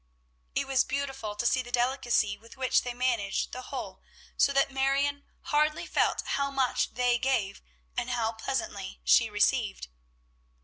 It was beautiful to see the delicacy with which they managed the whole, so that Marion hardly felt how much they gave, and how pleasantly she received.